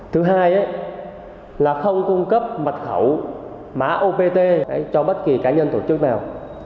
thứ hai là không cung cấp mật khẩu mã opt cho bất kỳ cá nhân tổ chức nào